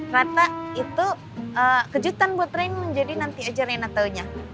rata itu kejutan buat rem menjadi nanti aja rena taunya